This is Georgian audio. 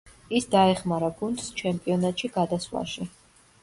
ის დაეხმარა გუნდს ჩემპიონატში გადასვლაში.